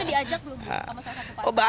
tapi sudah diajak dulu pak masyarakat